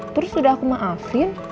terus udah aku maafin